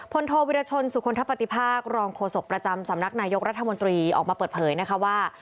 โทวิรชนสุคลทปฏิภาครองโฆษกประจำสำนักนายกรัฐมนตรีออกมาเปิดเผยนะคะว่า